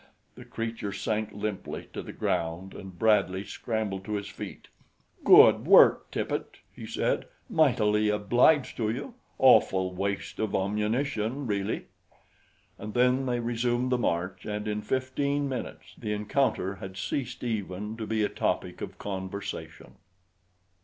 The creature sank limply to the ground and Bradley scrambled to his feet. "Good work, Tippet," he said. "Mightily obliged to you awful waste of ammunition, really." And then they resumed the march and in fifteen minutes the encounter had ceased even to be a topic of conversation.